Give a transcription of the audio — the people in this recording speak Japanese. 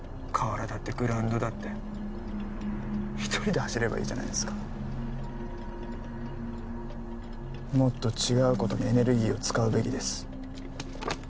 河原だってグラウンドだって一人で走ればいいじゃないですかもっと違うことにエネルギーを使うべきです